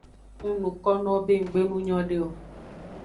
Ng nukonowo be nggbe nu nyode o.